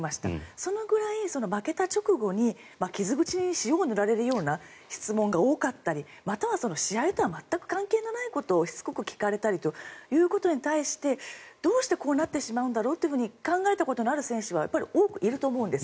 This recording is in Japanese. そのくらい負けた直後に傷口に塩を塗られるような質問が多かったりまたは試合と全く関係ないことをしつこく聞かれたりということに対してどうしてこうなってしまうんだろうと考えたことのある選手はやっぱり多くいると思うんです。